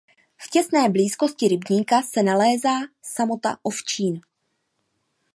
V těsné blízkosti rybníka se nalézá samota Ovčín.